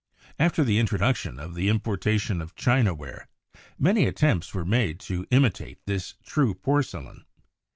After the introduction of the importation of chinaware, many at tempts were made to imitate this true porcelain.